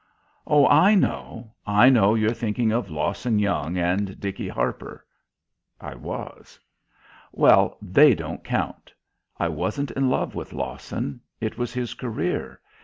"Oh, I know. I know you're thinking of Lawson Young and Dickey Harper." I was. "Well, but they don't count. I wasn't in love with Lawson. It was his career.